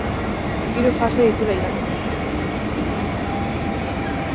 Hiru fase ditu lehiaketak.